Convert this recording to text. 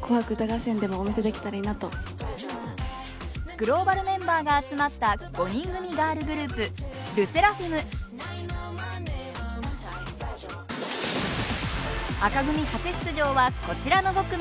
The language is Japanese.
グローバルメンバーが集まった５人組ガールグループ紅組初出場はこちらの５組。